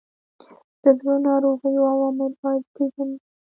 د زړه ناروغیو عوامل باید وپیژندل شي.